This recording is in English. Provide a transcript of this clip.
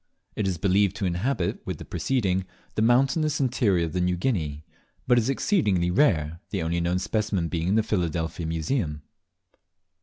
It is believed to inhabit, with the preceding, the mountainous, interior of New Guinea, but is exceedingly rare, the only known specimen being in the Philadelphia Museum.